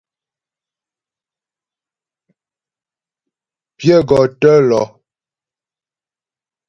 Pyə gɔ tə́ lɔ.